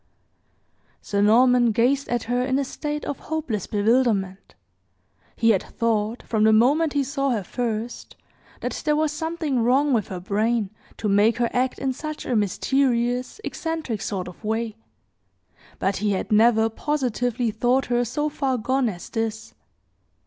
Sir Norman gazed at her in a state of hopeless bewilderment. He had thought, from the moment he saw her first, that there was something wrong with her brain, to make her act in such a mysterious, eccentric sort of way; but he had never positively thought her so far gone as this.